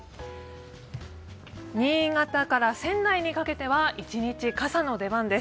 新潟から仙台にかけては一日中、傘の出番です。